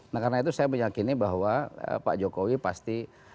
nah karena itu saya meyakini bahwa pak jokowi pasti